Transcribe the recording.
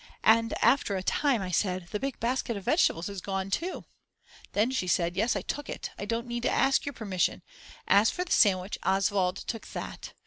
And after a time I said: the big basket of vegetables is gone too. Then she said. Yes, I took it, I don't need to ask your permission. As for the sandwich, Oswald took that.